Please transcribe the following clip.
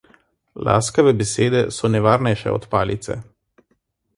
Laskave besede so nevarnejše od palice.